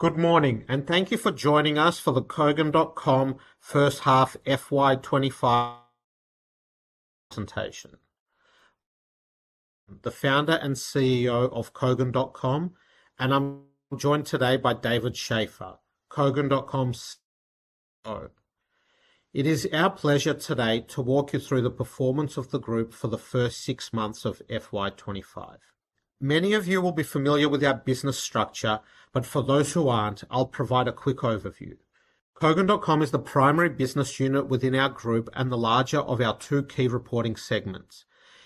Good morning, and thank you for joining us for the Kogan.com First Half FY25 presentation. I'm the founder and CEO of Kogan.com, and I'm joined today by David Shafer, Kogan.com CFO. It is our pleasure today to walk you through the performance of the group for the first six months of FY25. Many of you will be familiar with our business structure, but for those who aren't, I'll provide a quick overview. Kogan.com is the primary business unit within our group and the larger of our two key reporting segments.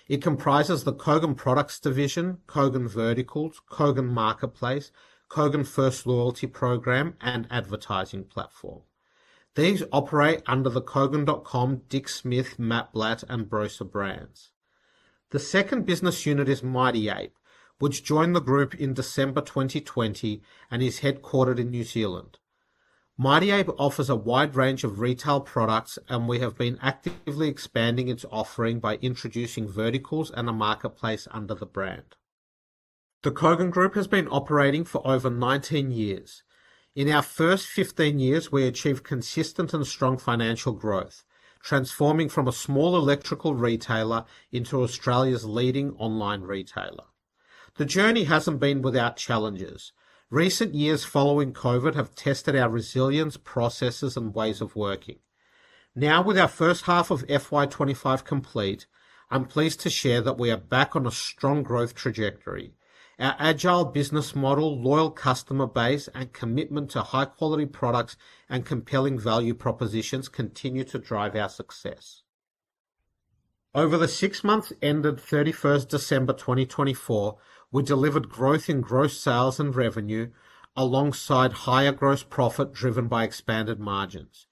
It comprises the Kogan Products Division, Kogan Verticals, Kogan Marketplace, Kogan First Loyalty Program, and Advertising Platform. These operate under the Kogan.com, Dick Smith, Matt Blatt, and Brosa brands. The second business unit is Mighty Ape, which joined the group in December 2020 and is headquartered in New Zealand. Ape offers a wide range of retail products, and we have been actively expanding its offering by introducing verticals and a marketplace under the brand. The Kogan Group has been operating for over 19 years. In our first 15 years, we achieved consistent and strong financial growth, transforming from a small electrical retailer into Australia's leading online retailer. The journey has not been without challenges. Recent years following COVID have tested our resilience, processes, and ways of working. Now, with our first half of FY25 complete, I am pleased to share that we are back on a strong growth trajectory. Our agile business model, loyal customer base, and commitment to high-quality products and compelling value propositions continue to drive our success. Over the six months ended 31 December 2024, we delivered growth in gross sales and revenue alongside higher gross profit driven by expanded margins.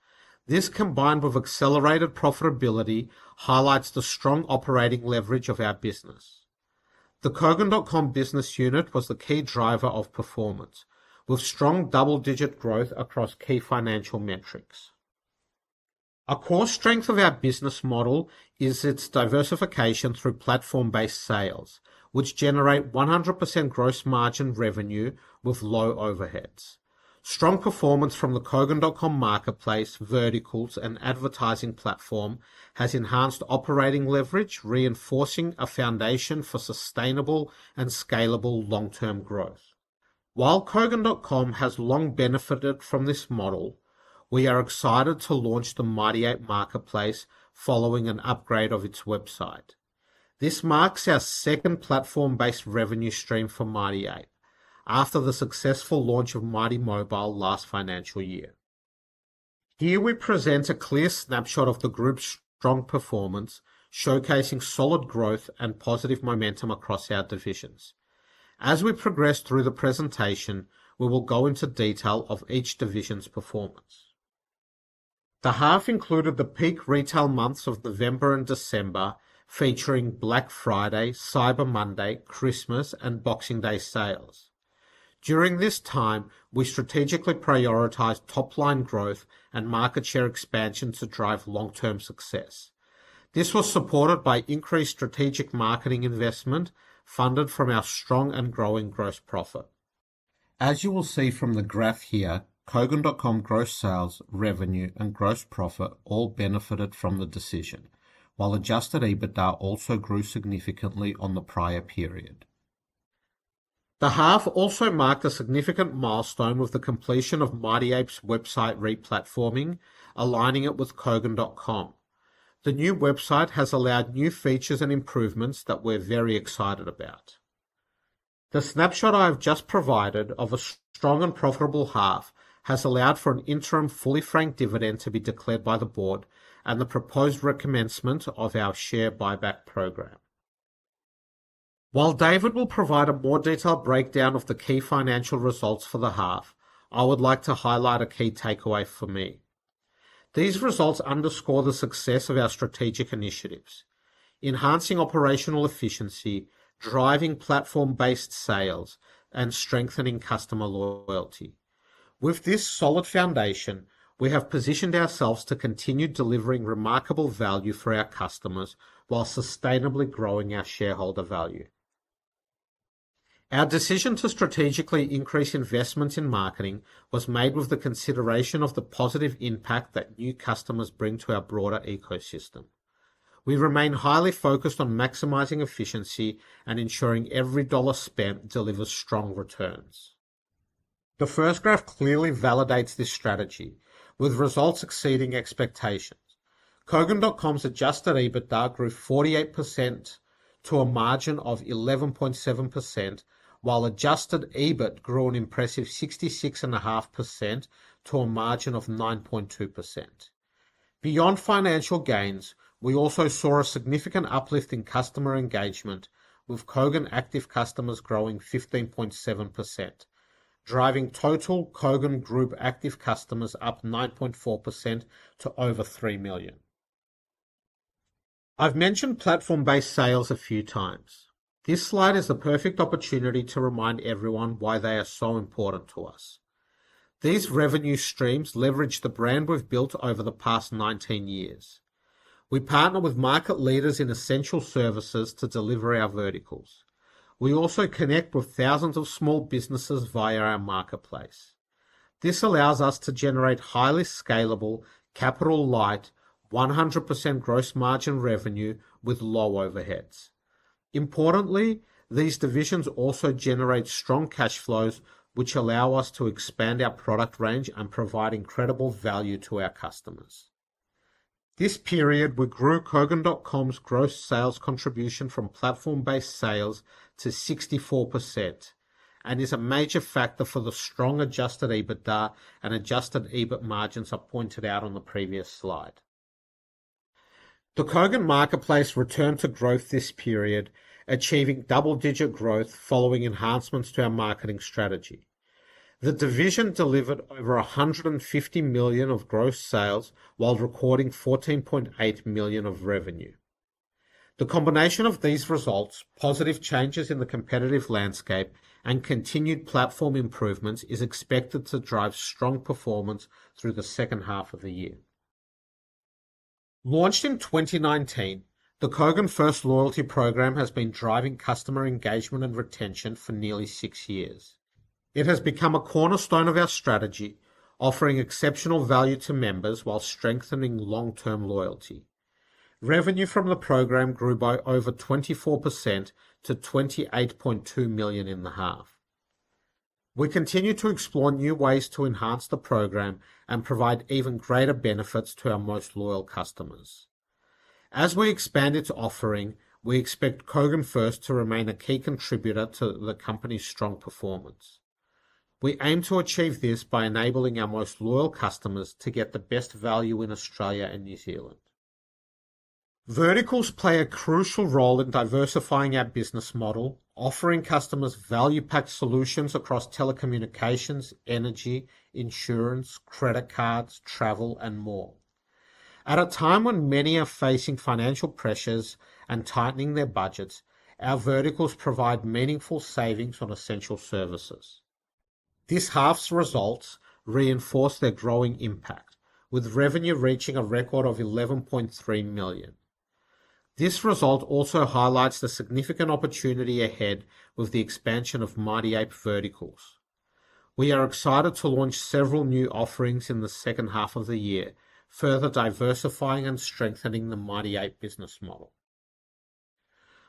This, combined with accelerated profitability, highlights the strong operating leverage of our business. The Kogan.com business unit was the key driver of performance, with strong double-digit growth across key financial metrics. A core strength of our business model is its diversification through platform-based sales, which generate 100% gross margin revenue with low overheads. Strong performance from the Kogan.com Marketplace, Verticals, and Advertising Platform has enhanced operating leverage, reinforcing a foundation for sustainable and scalable long-term growth. While Kogan.com has long benefited from this model, we are excited to launch the Mighty Ape Marketplace following an upgrade of its website. This marks our second platform-based revenue stream for Mighty Ape, after the successful launch of Mighty Mobile last financial year. Here we present a clear snapshot of the group's strong performance, showcasing solid growth and positive momentum across our divisions. As we progress through the presentation, we will go into detail of each division's performance. The half included the peak retail months of November and December, featuring Black Friday, Cyber Monday, Christmas, and Boxing Day sales. During this time, we strategically prioritized top-line growth and market share expansion to drive long-term success. This was supported by increased strategic marketing investment funded from our strong and growing gross profit. As you will see from the graph here, Kogan.com gross sales, revenue, and gross profit all benefited from the decision, while adjusted EBITDA also grew significantly on the prior period. The half also marked a significant milestone with the completion of Mighty Ape's website re-platforming, aligning it with Kogan.com. The new website has allowed new features and improvements that we're very excited about. The snapshot I have just provided of a strong and profitable half has allowed for an interim fully franked dividend to be declared by the board and the proposed recommencement of our share buyback program. While David will provide a more detailed breakdown of the key financial results for the half, I would like to highlight a key takeaway for me. These results underscore the success of our strategic initiatives: enhancing operational efficiency, driving platform-based sales, and strengthening customer loyalty. With this solid foundation, we have positioned ourselves to continue delivering remarkable value for our customers while sustainably growing our shareholder value. Our decision to strategically increase investment in marketing was made with the consideration of the positive impact that new customers bring to our broader ecosystem. We remain highly focused on maximizing efficiency and ensuring every dollar spent delivers strong returns. The first graph clearly validates this strategy, with results exceeding expectations. Kogan.com's adjusted EBITDA grew 48% to a margin of 11.7%, while adjusted EBIT grew an impressive 66.5% to a margin of 9.2%. Beyond financial gains, we also saw a significant uplift in customer engagement, with Kogan active customers growing 15.7%, driving total Kogan Group active customers up 9.4% to over 3 million. I've mentioned platform-based sales a few times. This slide is the perfect opportunity to remind everyone why they are so important to us. These revenue streams leverage the brand we've built over the past 19 years. We partner with market leaders in essential services to deliver our verticals. We also connect with thousands of small businesses via our marketplace. This allows us to generate highly scalable, capital-light, 100% gross margin revenue with low overheads. Importantly, these divisions also generate strong cash flows, which allow us to expand our product range and provide incredible value to our customers. This period, we grew Kogan.com's gross sales contribution from platform-based sales to 64% and is a major factor for the strong adjusted EBITDA and adjusted EBIT margins I pointed out on the previous slide. The Kogan Marketplace returned to growth this period, achieving double-digit growth following enhancements to our marketing strategy. The division delivered over 150 million of gross sales while recording 14.8 million of revenue. The combination of these results, positive changes in the competitive landscape, and continued platform improvements is expected to drive strong performance through the second half of the year. Launched in 2019, the Kogan First Loyalty Program has been driving customer engagement and retention for nearly six years. It has become a cornerstone of our strategy, offering exceptional value to members while strengthening long-term loyalty. Revenue from the program grew by over 24% to 28.2 million in the half. We continue to explore new ways to enhance the program and provide even greater benefits to our most loyal customers. As we expand its offering, we expect Kogan First to remain a key contributor to the company's strong performance. We aim to achieve this by enabling our most loyal customers to get the best value in Australia and New Zealand. Verticals play a crucial role in diversifying our business model, offering customers value-packed solutions across telecommunications, energy, insurance, credit cards, travel, and more. At a time when many are facing financial pressures and tightening their budgets, our verticals provide meaningful savings on essential services. This half's results reinforce their growing impact, with revenue reaching a record of 11.3 million. This result also highlights the significant opportunity ahead with the expansion of Mighty Ape Verticals. We are excited to launch several new offerings in the second half of the year, further diversifying and strengthening the Mighty Ape business model.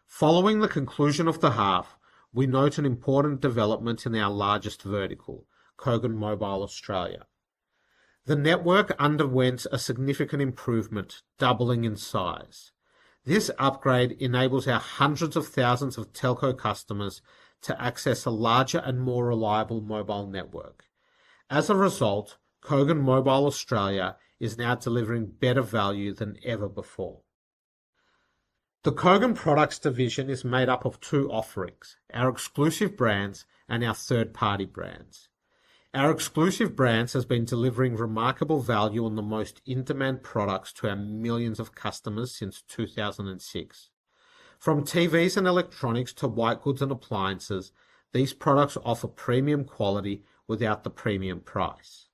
Following the conclusion of the half, we note an important development in our largest vertical, Kogan Mobile Australia. The network underwent a significant improvement, doubling in size. This upgrade enables our hundreds of thousands of telco customers to access a larger and more reliable mobile network. As a result, Kogan Mobile Australia is now delivering better value than ever before. The Kogan Products Division is made up of two offerings: our exclusive brands and our third-party brands. Our exclusive brands have been delivering remarkable value on the most in-demand products to our millions of customers since 2006. From TVs and electronics to white goods and appliances, these products offer premium quality without the premium price.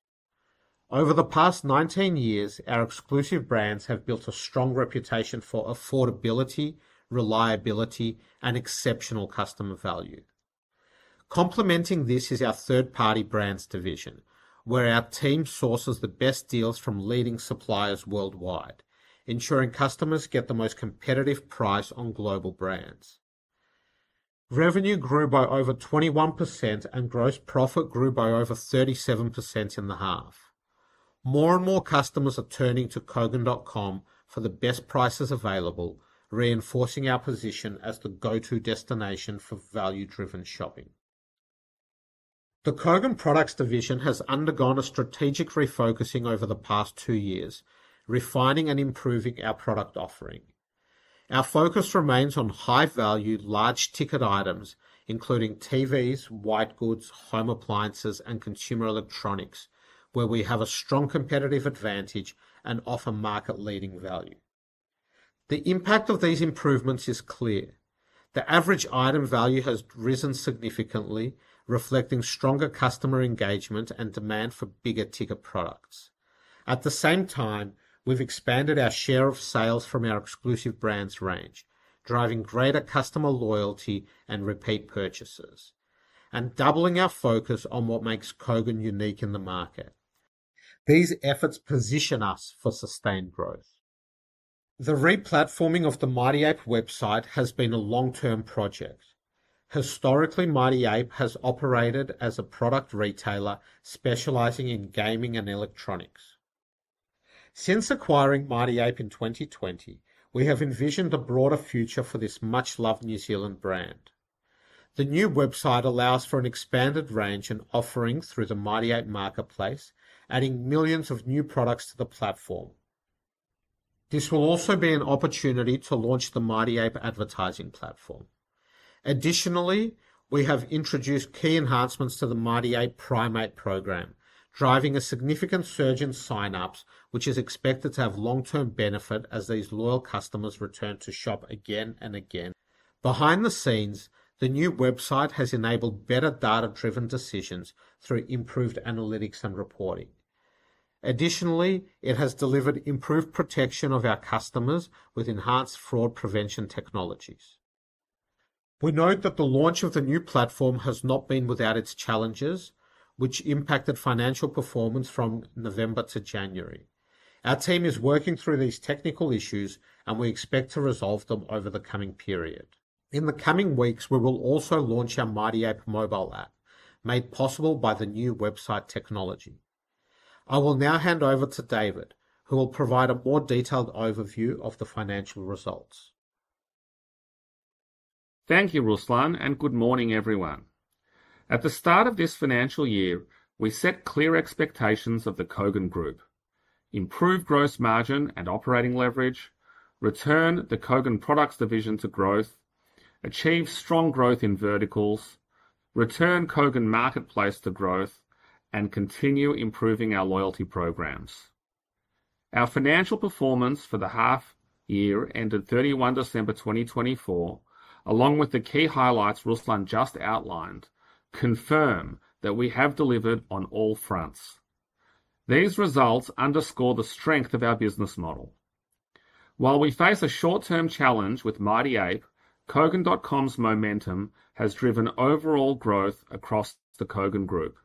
Over the past 19 years, our exclusive brands have built a strong reputation for affordability, reliability, and exceptional customer value. Complementing this is our third-party brands division, where our team sources the best deals from leading suppliers worldwide, ensuring customers get the most competitive price on global brands. Revenue grew by over 21%, and gross profit grew by over 37% in the half. More and more customers are turning to Kogan.com for the best prices available, reinforcing our position as the go-to destination for value-driven shopping. The Kogan Products Division has undergone a strategic refocusing over the past two years, refining and improving our product offering. Our focus remains on high-value, large-ticket items, including TVs, white goods, home appliances, and consumer electronics, where we have a strong competitive advantage and offer market-leading value. The impact of these improvements is clear. The average item value has risen significantly, reflecting stronger customer engagement and demand for bigger-ticket products. At the same time, we've expanded our share of sales from our exclusive brands range, driving greater customer loyalty and repeat purchases, and doubling our focus on what makes Kogan unique in the market. These efforts position us for sustained growth. The re-platforming of the Mighty Ape website has been a long-term project. Historically, Mighty Ape has operated as a product retailer specializing in gaming and electronics. Since acquiring Mighty Ape in 2020, we have envisioned a broader future for this much-loved New Zealand brand. The new website allows for an expanded range and offering through the Mighty Ape Marketplace, adding millions of new products to the platform. This will also be an opportunity to launch the Mighty Ape Advertising Platform. Additionally, we have introduced key enhancements to the Mighty Ape Primate Program, driving a significant surge in sign-ups, which is expected to have long-term benefit as these loyal customers return to shop again and again. Behind the scenes, the new website has enabled better data-driven decisions through improved analytics and reporting. Additionally, it has delivered improved protection of our customers with enhanced fraud prevention technologies. We note that the launch of the new platform has not been without its challenges, which impacted financial performance from November to January. Our team is working through these technical issues, and we expect to resolve them over the coming period. In the coming weeks, we will also launch our Mighty Ape mobile app, made possible by the new website technology. I will now hand over to David, who will provide a more detailed overview of the financial results. Thank you, Ruslan, and good morning, everyone. At the start of this financial year, we set clear expectations of the Kogan Group: improve gross margin and operating leverage, return the Kogan Products Division to growth, achieve strong growth in verticals, return Kogan Marketplace to growth, and continue improving our loyalty programs. Our financial performance for the half year ended 31 December 2024, along with the key highlights Ruslan just outlined, confirm that we have delivered on all fronts. These results underscore the strength of our business model. While we face a short-term challenge with Mighty Ape, Kogan.com's momentum has driven overall growth across the Kogan Group.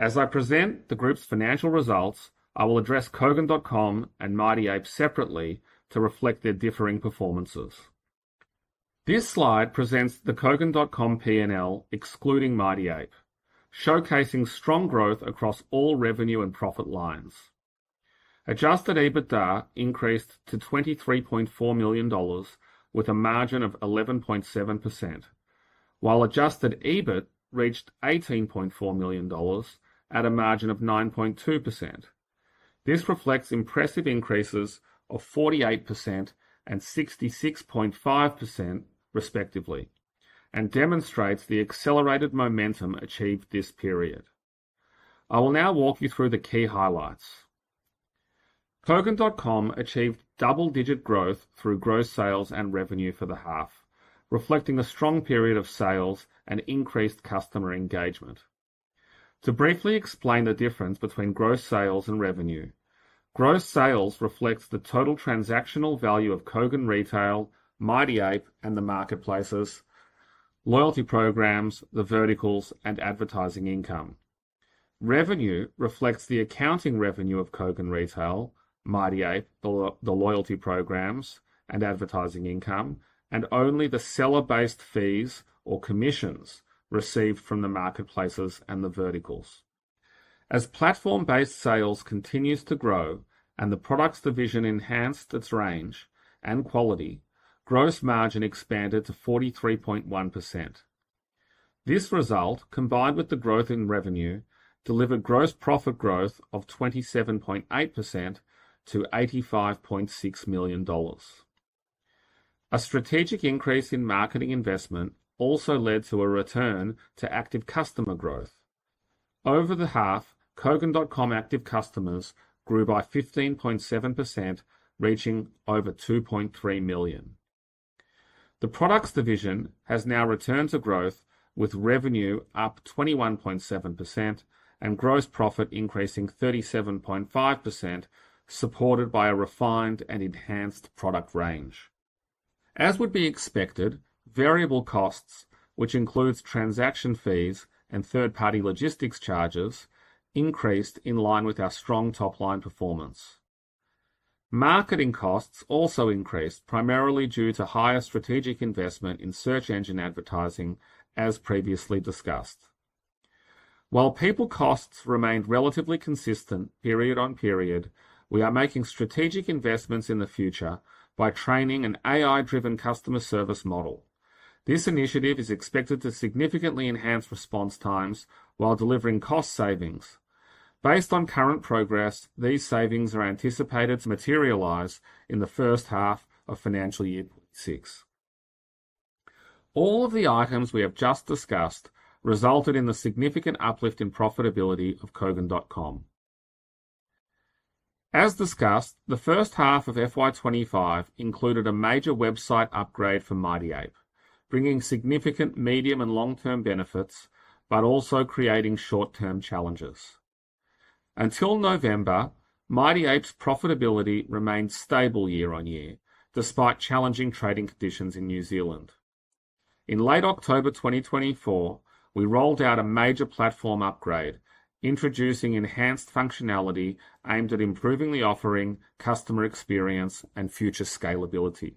As I present the group's financial results, I will address Kogan.com and Mighty Ape separately to reflect their differing performances. This slide presents the Kogan.com P&L excluding Mighty Ape, showcasing strong growth across all revenue and profit lines. Adjusted EBITDA increased to 23.4 million dollars with a margin of 11.7%, while adjusted EBIT reached 18.4 million dollars at a margin of 9.2%. This reflects impressive increases of 48% and 66.5%, respectively, and demonstrates the accelerated momentum achieved this period. I will now walk you through the key highlights. Kogan.com achieved double-digit growth through gross sales and revenue for the half, reflecting a strong period of sales and increased customer engagement. To briefly explain the difference between gross sales and revenue, gross sales reflects the total transactional value of Kogan Retail, Mighty Ape, and the marketplaces, loyalty programs, the verticals, and advertising income. Revenue reflects the accounting revenue of Kogan Retail, Mighty Ape, the loyalty programs, and advertising income, and only the seller-based fees or commissions received from the marketplaces and the verticals. As platform-based sales continues to grow and the products division enhanced its range and quality, gross margin expanded to 43.1%. This result, combined with the growth in revenue, delivered gross profit growth of 27.8% to 85.6 million dollars. A strategic increase in marketing investment also led to a return to active customer growth. Over the half, Kogan.com active customers grew by 15.7%, reaching over 2.3 million. The products division has now returned to growth, with revenue up 21.7% and gross profit increasing 37.5%, supported by a refined and enhanced product range. As would be expected, variable costs, which includes transaction fees and third-party logistics charges, increased in line with our strong top-line performance. Marketing costs also increased, primarily due to higher strategic investment in search engine advertising, as previously discussed. While people costs remained relatively consistent period on period, we are making strategic investments in the future by training an AI-driven customer service model. This initiative is expected to significantly enhance response times while delivering cost savings. Based on current progress, these savings are anticipated to materialize in the first half of financial year 2026. All of the items we have just discussed resulted in the significant uplift in profitability of Kogan.com. As discussed, the first half of FY2025 included a major website upgrade for Mighty Ape, bringing significant medium and long-term benefits, but also creating short-term challenges. Until November, Mighty Ape's profitability remained stable year on year, despite challenging trading conditions in New Zealand. In late October 2024, we rolled out a major platform upgrade, introducing enhanced functionality aimed at improving the offering, customer experience, and future scalability.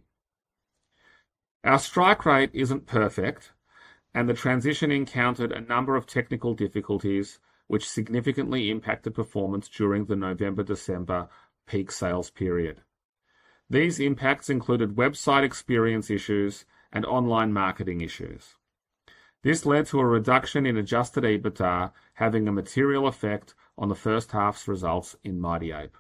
Our strike rate is not perfect, and the transition encountered a number of technical difficulties, which significantly impacted performance during the November-December peak sales period. These impacts included website experience issues and online marketing issues. This led to a reduction in adjusted EBITDA having a material effect on the first half's results in Mighty Ape.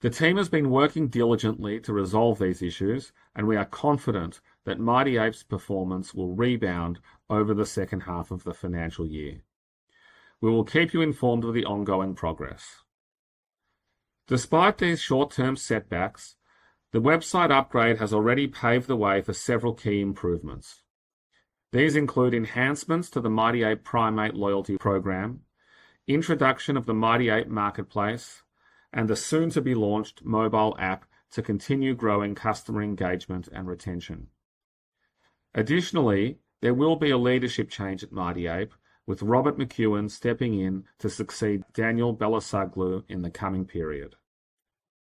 The team has been working diligently to resolve these issues, and we are confident that Mighty Ape's performance will rebound over the second half of the financial year. We will keep you informed of the ongoing progress. Despite these short-term setbacks, the website upgrade has already paved the way for several key improvements. These include enhancements to the Mighty Ape Primate Loyalty Program, introduction of the Mighty Ape Marketplace, and the soon-to-be-launched mobile app to continue growing customer engagement and retention. Additionally, there will be a leadership change at Mighty Ape, with Robert McEwen stepping in to succeed Daniel Belasaglu in the coming period.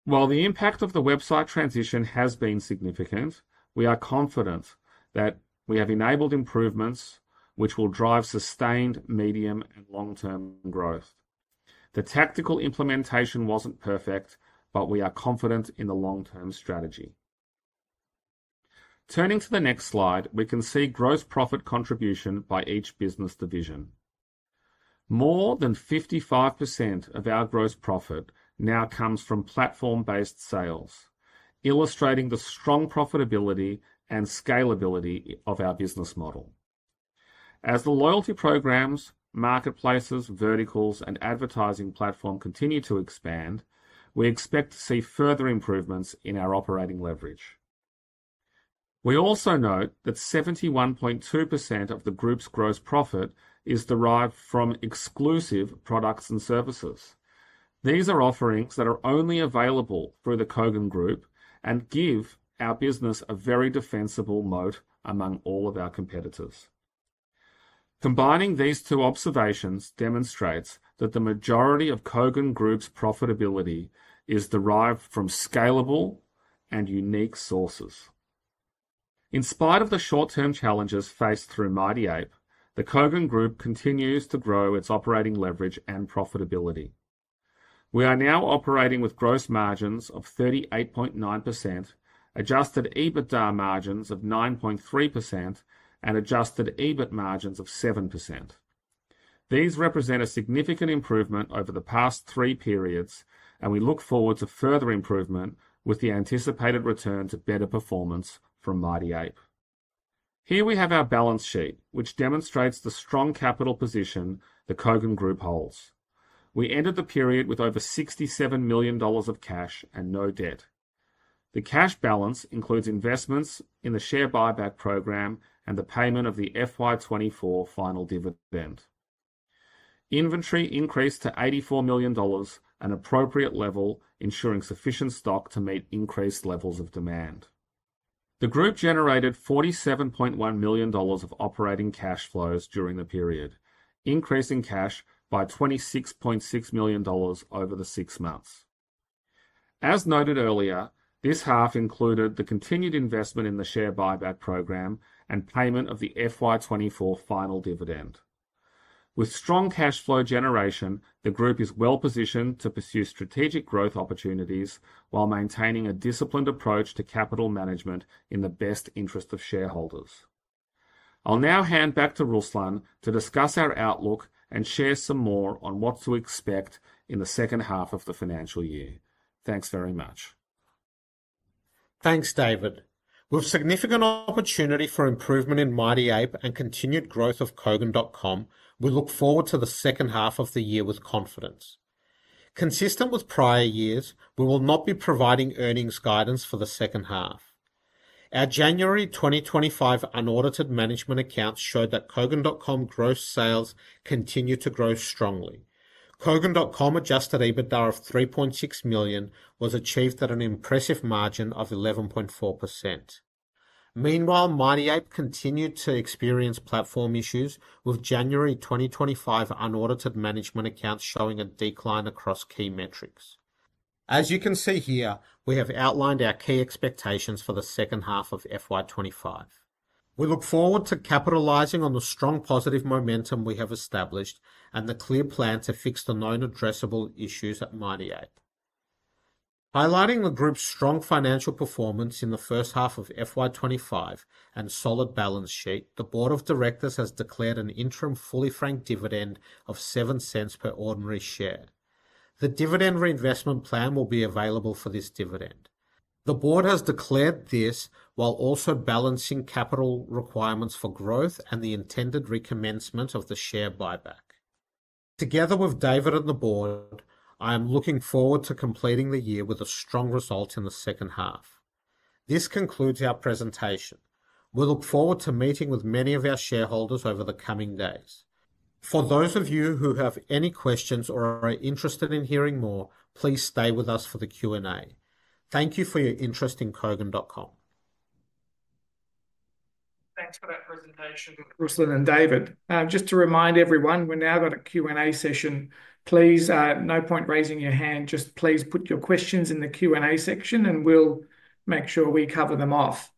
While the impact of the website transition has been significant, we are confident that we have enabled improvements which will drive sustained medium and long-term growth. The tactical implementation was not perfect, but we are confident in the long-term strategy. Turning to the next slide, we can see gross profit contribution by each business division. More than 55% of our gross profit now comes from platform-based sales, illustrating the strong profitability and scalability of our business model. As the loyalty programs, marketplaces, verticals, and advertising platform continue to expand, we expect to see further improvements in our operating leverage. We also note that 71.2% of the group's gross profit is derived from exclusive products and services. These are offerings that are only available through the Kogan Group and give our business a very defensible moat among all of our competitors. Combining these two observations demonstrates that the majority of Kogan Group's profitability is derived from scalable and unique sources. In spite of the short-term challenges faced through Mighty Ape, the Kogan Group continues to grow its operating leverage and profitability. We are now operating with gross margins of 38.9%, adjusted EBITDA margins of 9.3%, and adjusted EBIT margins of 7%. These represent a significant improvement over the past three periods, and we look forward to further improvement with the anticipated return to better performance from Mighty Ape. Here we have our balance sheet, which demonstrates the strong capital position the Kogan Group holds. We ended the period with over 67 million dollars of cash and no debt. The cash balance includes investments in the share buyback program and the payment of the FY2024 final dividend. Inventory increased to 84 million dollars, an appropriate level, ensuring sufficient stock to meet increased levels of demand. The group generated 47.1 million dollars of operating cash flows during the period, increasing cash by 26.6 million dollars over the six months. As noted earlier, this half included the continued investment in the share buyback program and payment of the FY2024 final dividend. With strong cash flow generation, the group is well positioned to pursue strategic growth opportunities while maintaining a disciplined approach to capital management in the best interest of shareholders. I'll now hand back to Ruslan to discuss our outlook and share some more on what to expect in the second half of the financial year. Thanks very much. Thanks, David. With significant opportunity for improvement in Mighty Ape and continued growth of Kogan.com, we look forward to the second half of the year with confidence. Consistent with prior years, we will not be providing earnings guidance for the second half. Our January 2025 unaudited management accounts showed that Kogan.com gross sales continued to grow strongly. Kogan.com adjusted EBITDA of 3.6 million was achieved at an impressive margin of 11.4%. Meanwhile, Mighty Ape continued to experience platform issues, with January 2025 unaudited management accounts showing a decline across key metrics. As you can see here, we have outlined our key expectations for the second half of FY25. We look forward to capitalizing on the strong positive momentum we have established and the clear plan to fix the known addressable issues at Mighty Ape. Highlighting the group's strong financial performance in the first half of FY2025 and solid balance sheet, the board of directors has declared an interim fully franked dividend of 0.07 per ordinary share. The dividend reinvestment plan will be available for this dividend. The board has declared this while also balancing capital requirements for growth and the intended recommencement of the share buyback. Together with David and the board, I am looking forward to completing the year with a strong result in the second half. This concludes our presentation. We look forward to meeting with many of our shareholders over the coming days. For those of you who have any questions or are interested in hearing more, please stay with us for the Q&A. Thank you for your interest in Kogan.com. Thanks for that presentation, Ruslan and David. Just to remind everyone, we're now at a Q&A session. Please, no point raising your hand, just please put your questions in the Q&A section and we'll make sure we cover them off.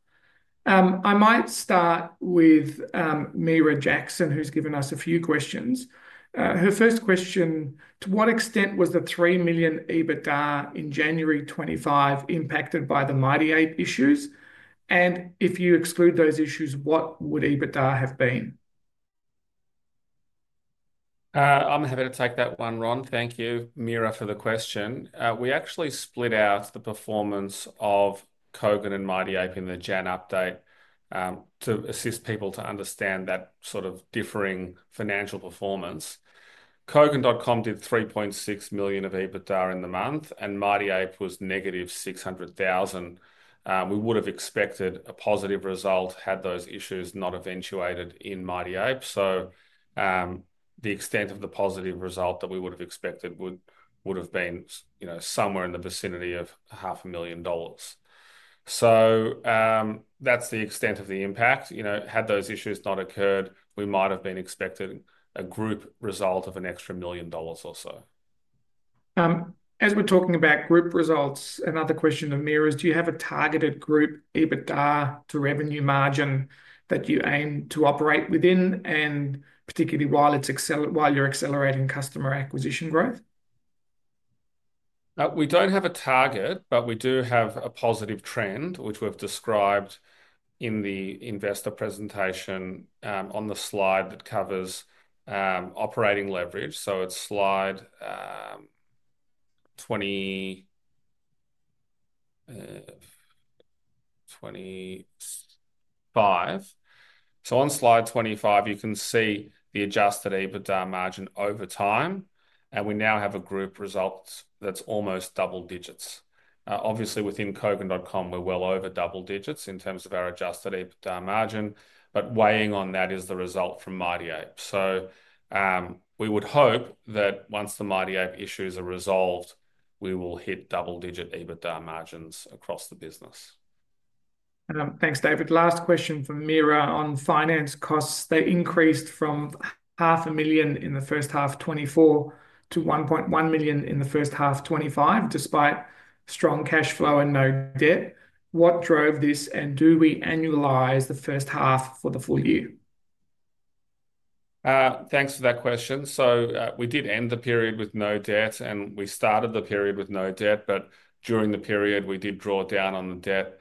I might start with Mira Jackson, who's given us a few questions. Her first question: to what extent was the 3 million EBITDA in January 2025 impacted by the Mighty Ape issues? And if you exclude those issues, what would EBITDA have been? I'm happy to take that one, Ron. Thank you, Mira, for the question. We actually split out the performance of Kogan and Mighty Ape in the January update to assist people to understand that sort of differing financial performance. Kogan.com did 3.6 million of EBITDA in the month, and Mighty Ape was negative 600,000. We would have expected a positive result had those issues not eventuated in Mighty Ape. The extent of the positive result that we would have expected would have been, you know, somewhere in the vicinity of AUD 500,000. That is the extent of the impact. You know, had those issues not occurred, we might have been expecting a group result of an extra 1 million dollars or so. As we are talking about group results, another question of Mira is: do you have a targeted group EBITDA to revenue margin that you aim to operate within, and particularly while you are accelerating customer acquisition growth? We do not have a target, but we do have a positive trend, which we have described in the investor presentation on the slide that covers operating leverage. It is slide 25. On slide 25, you can see the adjusted EBITDA margin over time, and we now have a group result that is almost double digits. Obviously, within Kogan.com, we're well over double digits in terms of our adjusted EBITDA margin, but weighing on that is the result from Mighty Ape. We would hope that once the Mighty Ape issues are resolved, we will hit double-digit EBITDA margins across the business. Thanks, David. Last question from Mira on finance costs. They increased from 500,000 in the first half 2024 to 1.1 million in the first half 2025, despite strong cash flow and no debt. What drove this, and do we annualize the first half for the full year? Thanks for that question. We did end the period with no debt, and we started the period with no debt, but during the period, we did draw down on the debt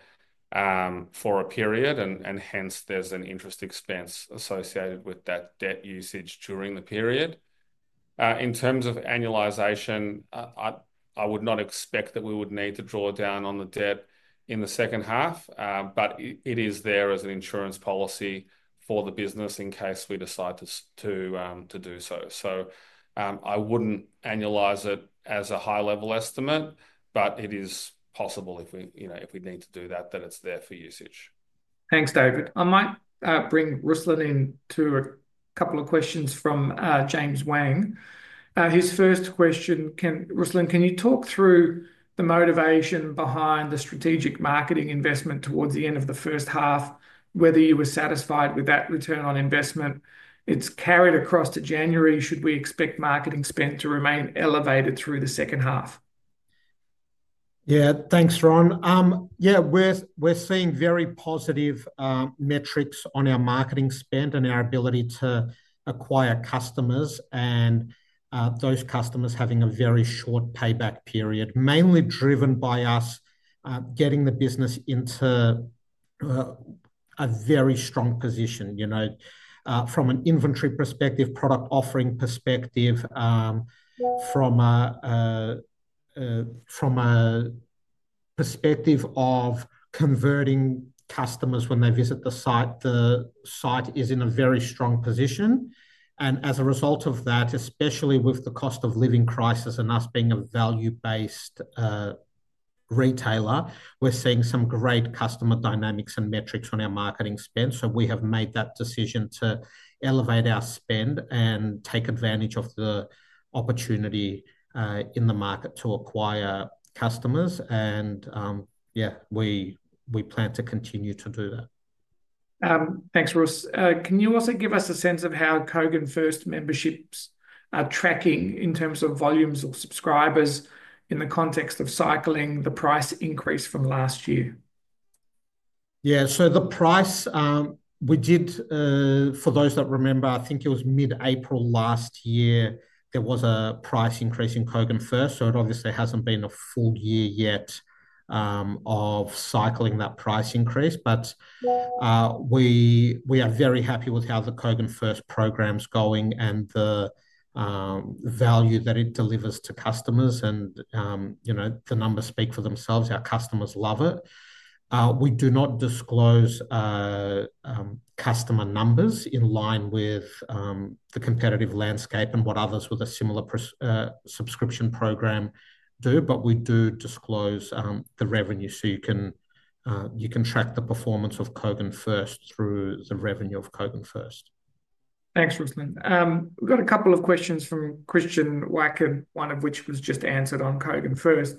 for a period, and hence there's an interest expense associated with that debt usage during the period. In terms of annualization, I would not expect that we would need to draw down on the debt in the second half, but it is there as an insurance policy for the business in case we decide to do so. I would not annualize it as a high-level estimate, but it is possible if we need to do that, that it is there for usage. Thanks, David. I might bring Ruslan in to a couple of questions from James Wang. His first question: Ruslan, can you talk through the motivation behind the strategic marketing investment towards the end of the first half, whether you were satisfied with that return on investment? It has carried across to January. Should we expect marketing spend to remain elevated through the second half? Yeah, thanks, Ron. Yeah, we're seeing very positive metrics on our marketing spend and our ability to acquire customers and those customers having a very short payback period, mainly driven by us getting the business into a very strong position, you know, from an inventory perspective, product offering perspective, from a perspective of converting customers when they visit the site. The site is in a very strong position. As a result of that, especially with the cost of living crisis and us being a value-based retailer, we're seeing some great customer dynamics and metrics on our marketing spend. We have made that decision to elevate our spend and take advantage of the opportunity in the market to acquire customers. Yeah, we plan to continue to do that. Thanks, Russ. Can you also give us a sense of how Kogan First memberships are tracking in terms of volumes of subscribers in the context of cycling the price increase from last year? Yeah, so the price we did, for those that remember, I think it was mid-April last year, there was a price increase in Kogan First. It obviously hasn't been a full year yet of cycling that price increase, but we are very happy with how the Kogan First program's going and the value that it delivers to customers. You know, the numbers speak for themselves. Our customers love it. We do not disclose customer numbers in line with the competitive landscape and what others with a similar subscription program do, but we do disclose the revenue. You can track the performance of Kogan First through the revenue of Kogan First. Thanks, Ruslan. We've got a couple of questions from Christian Wicker, one of which was just answered on Kogan First.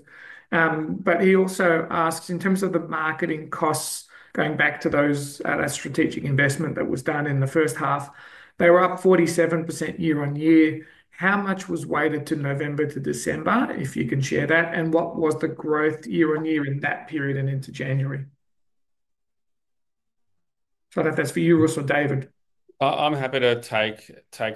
He also asks, in terms of the marketing costs, going back to that strategic investment that was done in the first half, they were up 47% year-on-year. How much was weighted to November to December, if you can share that? What was the growth year on year in that period and into January? I don't know if that's for you, Russ or David. I'm happy to take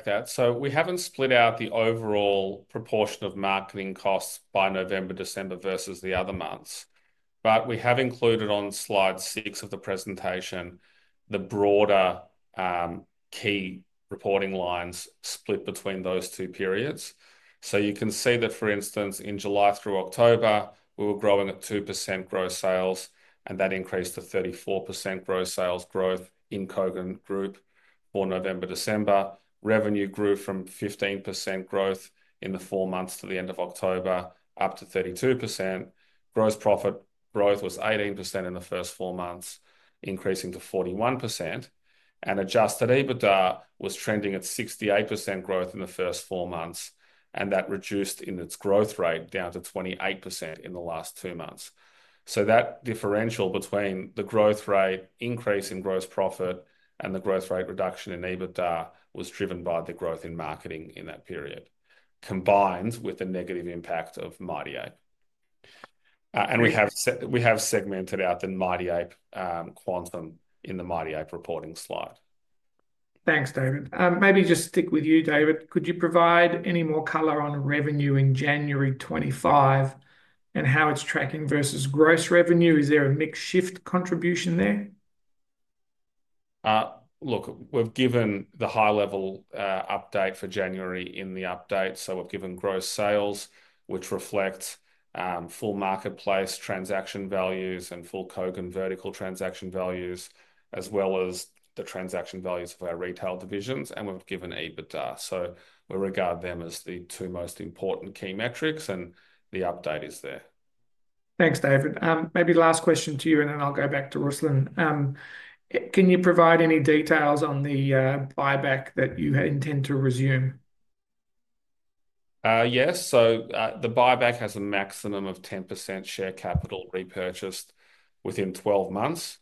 that. We haven't split out the overall proportion of marketing costs by November, December versus the other months, but we have included on slide six of the presentation the broader key reporting lines split between those two periods. You can see that, for instance, in July through October, we were growing at 2% gross sales, and that increased to 34% gross sales growth in Kogan Group for November, December. Revenue grew from 15% growth in the four months to the end of October up to 32%. Gross profit growth was 18% in the first four months, increasing to 41%. Adjusted EBITDA was trending at 68% growth in the first four months, and that reduced in its growth rate down to 28% in the last two months. That differential between the growth rate increase in gross profit and the growth rate reduction in EBITDA was driven by the growth in marketing in that period, combined with the negative impact of Mighty Ape. We have segmented out the Mighty Ape quantum in the Mighty Ape reporting slide. Thanks, David. Maybe just stick with you, David. Could you provide any more color on revenue in January 2025 and how it's tracking versus gross revenue? Is there a mixed shift contribution there? Look, we've given the high-level update for January in the update. We've given gross sales, which reflects full marketplace transaction values and full Kogan vertical transaction values, as well as the transaction values of our retail divisions. We've given EBITDA. We regard them as the two most important key metrics, and the update is there. Thanks, David. Maybe last question to you, and then I'll go back to Ruslan. Can you provide any details on the buyback that you intend to resume? Yes. The buyback has a maximum of 10% share capital repurchased within 12 months.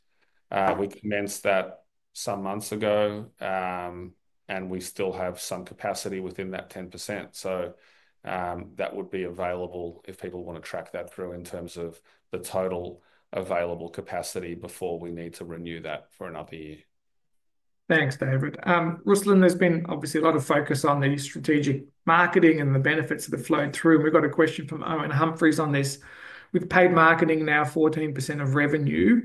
We commenced that some months ago, and we still have some capacity within that 10%. That would be available if people want to track that through in terms of the total available capacity before we need to renew that for another year. Thanks, David. Ruslan, there's been obviously a lot of focus on the strategic marketing and the benefits of the flow through. We've got a question from Owen Humphries on this. With paid marketing now 14% of revenue,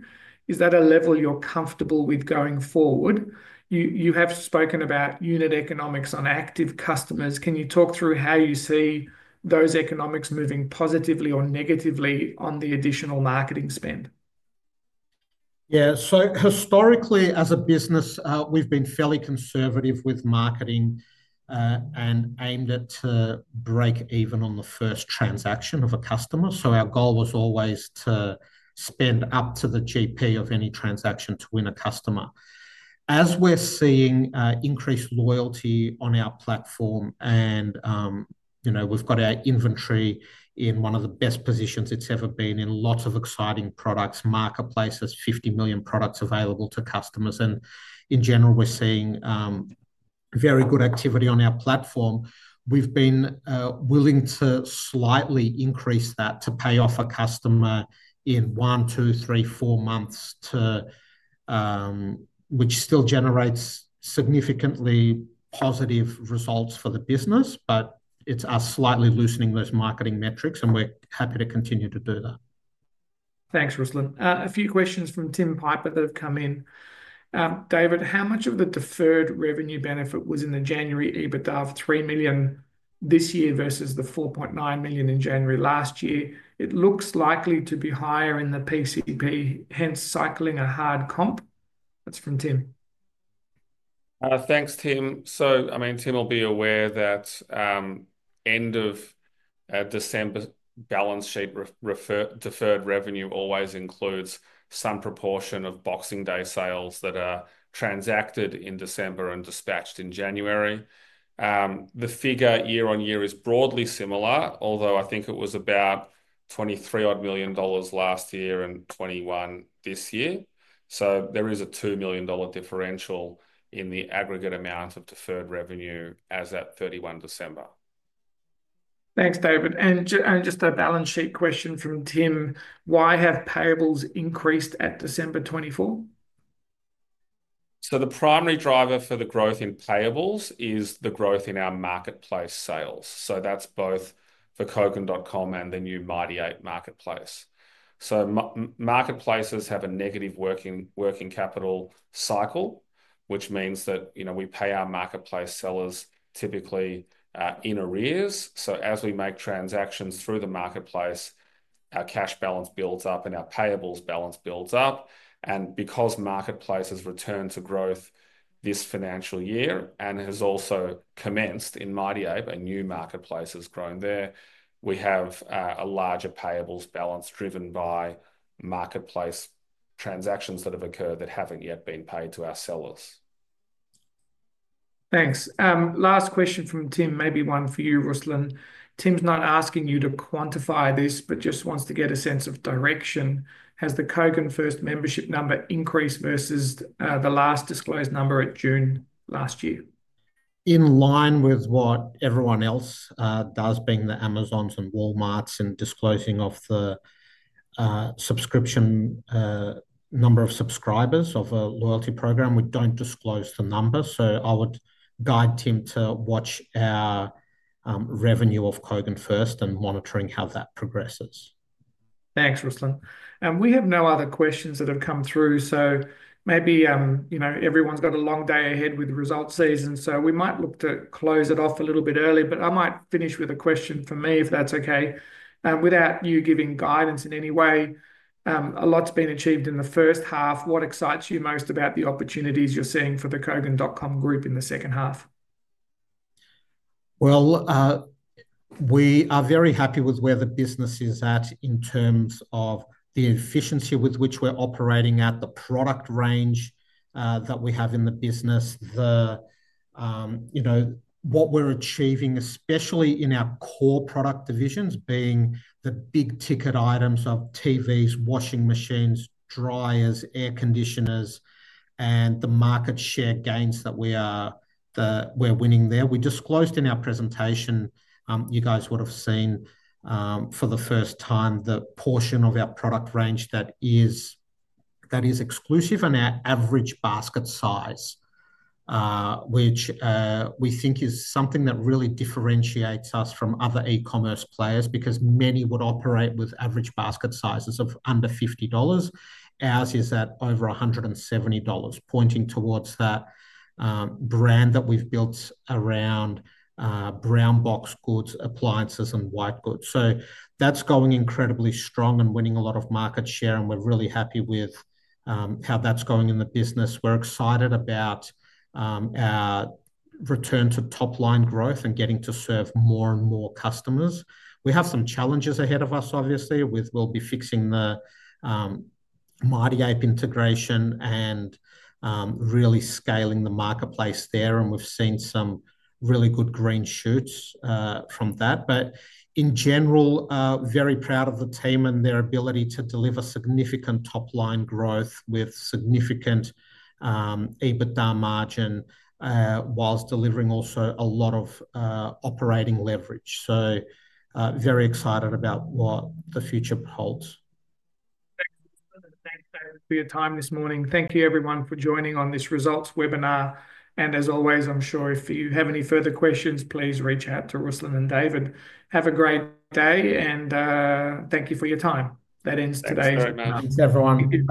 is that a level you're comfortable with going forward? You have spoken about unit economics on active customers. Can you talk through how you see those economics moving positively or negatively on the additional marketing spend? Yeah. Historically, as a business, we've been fairly conservative with marketing and aimed it to break even on the first transaction of a customer. Our goal was always to spend up to the GP of any transaction to win a customer. As we're seeing increased loyalty on our platform, and we've got our inventory in one of the best positions it's ever been in, lots of exciting products, marketplaces, 50 million products available to customers. In general, we're seeing very good activity on our platform. We've been willing to slightly increase that to pay off a customer in one, two, three, four months, which still generates significantly positive results for the business, but it's us slightly loosening those marketing metrics, and we're happy to continue to do that. Thanks, Ruslan. A few questions from Tim Piper that have come in. David, how much of the deferred revenue benefit was in the January EBITDA of 3 million this year versus the 4.9 million in January last year? It looks likely to be higher in the PCP, hence cycling a hard comp. That's from Tim. Thanks, Tim. I mean, Tim will be aware that end of December balance sheet deferred revenue always includes some proportion of Boxing Day sales that are transacted in December and dispatched in January. The figure year on year is broadly similar, although I think it was about 23 million dollars last year and 21 million this year. There is a 2 million dollar differential in the aggregate amount of deferred revenue as at 31 December. Thanks, David. Just a balance sheet question from Tim. Why have payables increased at December 2024? The primary driver for the growth in payables is the growth in our marketplace sales. That is both for Kogan.com and the new Mighty Ape marketplace. Marketplaces have a negative working capital cycle, which means that we pay our marketplace sellers typically in arrears. As we make transactions through the marketplace, our cash balance builds up and our payables balance builds up. Because marketplaces returned to growth this financial year and has also commenced in Mighty Ape, a new marketplace has grown there, we have a larger payables balance driven by marketplace transactions that have occurred that have not yet been paid to our sellers. Thanks. Last question from Tim, maybe one for you, Ruslan. Tim is not asking you to quantify this, but just wants to get a sense of direction. Has the Kogan First membership number increased versus the last disclosed number at June last year? In line with what everyone else does, being the Amazons and Walmarts and disclosing of the subscription number of subscribers of a loyalty program, we do not disclose the numbers. I would guide Tim to watch our revenue of Kogan First and monitoring how that progresses. Thanks, Ruslan. We have no other questions that have come through. Maybe everyone's got a long day ahead with the result season, so we might look to close it off a little bit early, but I might finish with a question for me, if that's okay. Without you giving guidance in any way, a lot's been achieved in the first half. What excites you most about the opportunities you're seeing for the Kogan.com group in the second half? We are very happy with where the business is at in terms of the efficiency with which we're operating at, the product range that we have in the business, what we're achieving, especially in our core product divisions being the big ticket items of TVs, washing machines, dryers, air conditioners, and the market share gains that we are winning there. We disclosed in our presentation, you guys would have seen for the first time, the portion of our product range that is exclusive and our average basket size, which we think is something that really differentiates us from other e-commerce players because many would operate with average basket sizes of under 50 dollars. Ours is at over 170 dollars, pointing towards that brand that we've built around brown box goods, appliances, and white goods. That is going incredibly strong and winning a lot of market share, and we're really happy with how that's going in the business. We're excited about our return to top-line growth and getting to serve more and more customers. We have some challenges ahead of us, obviously, with we'll be fixing the Mighty Ape integration and really scaling the marketplace there. We have seen some really good green shoots from that. In general, very proud of the team and their ability to deliver significant top-line growth with significant EBITDA margin whilst delivering also a lot of operating leverage. Very excited about what the future holds. Thanks, David, for your time this morning. Thank you, everyone, for joining on this results webinar. As always, I'm sure if you have any further questions, please reach out to Ruslan and David. Have a great day and thank you for your time. That ends today. Thanks very much. Thanks, everyone.